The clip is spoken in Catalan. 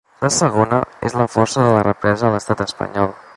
La segona, és la força de la represa a l’estat espanyol.